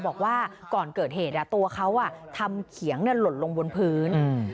บอกว่าก่อนเกิดเหตุตัวเขาทำเขียงหล่นลงบนพื้น